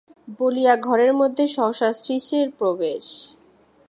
বলিয়া ঘরের মধ্যে সহসা শ্রীশের প্রবেশ।